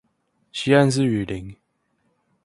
西岸是雨林